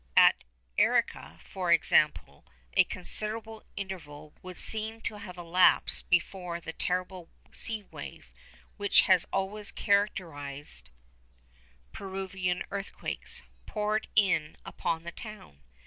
At Arica, for example, a considerable interval would seem to have elapsed before the terrible sea wave, which has always characterised Peruvian earthquakes, poured in upon the town.